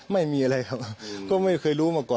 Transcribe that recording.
ไม่มีอะไรครับก็ไม่เคยรู้มาก่อน